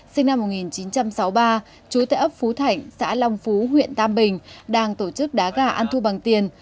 sinh năm một nghìn chín trăm sáu mươi ba trú tại ấp phú thảnh xã long phú huyện tam bình đang tổ chức đá gà ăn thu bằng tiền